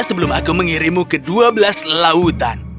sebelum aku mengirimu ke dua belas lautan